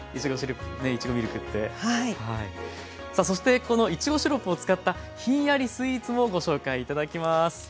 そしてこのいちごシロップを使ったひんやりスイーツもご紹介頂きます。